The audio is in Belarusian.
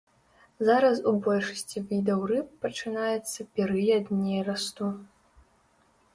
Зараз у большасці відаў рыб пачынаецца перыяд нерасту.